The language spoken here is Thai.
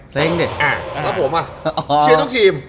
เซงส์สิ